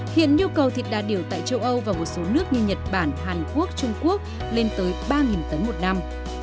hiện nhu cầu thịt đà điểu tại châu âu và một số nước như nhật bản hàn quốc trung quốc lên tới ba tấn một năm